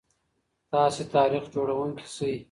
تاسي تاریخ جوړونکي شئ.